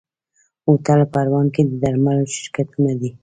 هوټل پروان کې د درملو شرکتونه دي.